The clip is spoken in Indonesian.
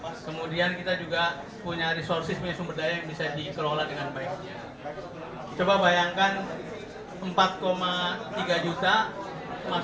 kemudian kita juga selalu mencari sumber daya untuk memadai kordinah k communikasi yang selalu oranye oleh jaya menengah